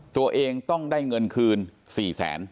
ตัวเองต้องได้เงินคืน๔แสน